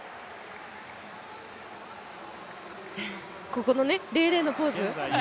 ここの「００」のポーズ？